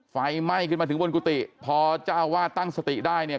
ไฟไหม้ขึ้นมาถึงบนกุฏิพอเจ้าวาดตั้งสติได้เนี่ย